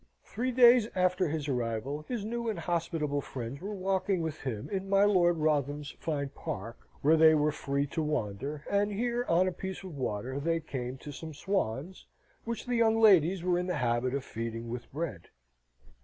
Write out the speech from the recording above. Three days after his arrival, his new and hospitable friends were walking with him in my Lord Wrotham's fine park, where they were free to wander; and here, on a piece of water, they came to some swans, which the young ladies were in the habit of feeding with bread.